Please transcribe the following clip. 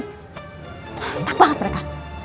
enak banget mereka